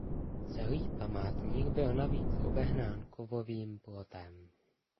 Celý památník byl navíc obehnán kovovým plotem.